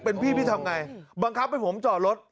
เป็นพี่ทำยังไงบังคับเป็นผมจอดรถ